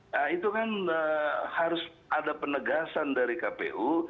nah itu kan harus ada penegasan dari kpu